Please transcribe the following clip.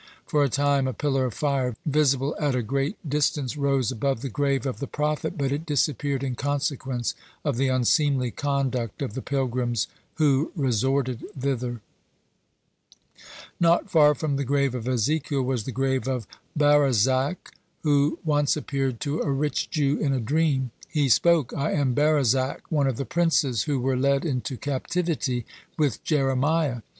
For a time a pillar of fire, visible at a great distance, rose above the grave of the prophet, but it disappeared in consequence of the unseemly conduct of the pilgrims who resorted thither. Not far from the grave of Ezekiel was the grave of Barozak, who once appeared to a rich Jew in a dream. He spoke: "I am Barozak, one of the princes who were led into captivity with Jeremiah.